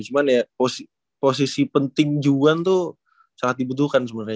cuman ya posisi penting juan tuh sangat dibutuhkan sebenernya